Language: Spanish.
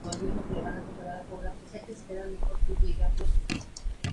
Su origen se confunde con la leyenda que motivó el origen de Barranco.